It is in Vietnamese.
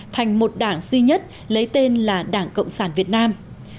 thành một đảng duy nhất lấy tên là đảng cộng sản việt nam